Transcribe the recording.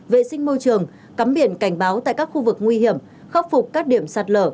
vệ sinh môi trường cắm biển cảnh báo tại các khu vực nguy hiểm khắc phục các điểm sạt lở